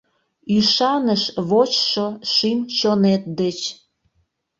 Ӱшаныш вочшо шÿм-чонет деч